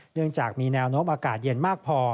เนื่องจากมีแนวโน้มอากาศเย็นมากพอ